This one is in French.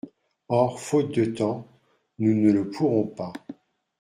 Or, faute de temps, nous ne le pourrons pas.